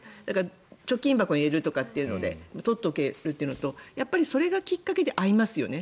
貯金箱に入れるとかっていうので取っておけるというのとやっぱりそれがきっかけで会いますよね。